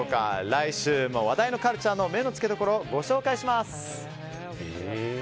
来週も話題のカルチャーの目のつけどころをご紹介します！